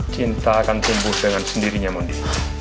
cinta akan tumbuh dengan sendirinya mandi